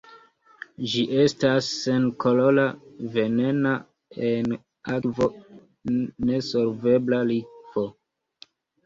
Ĝi estas senkolora, venena, en akvo nesolvebla likvo.